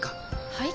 はい？